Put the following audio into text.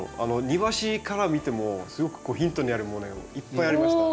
庭師から見てもすごくヒントになるものいっぱいありました。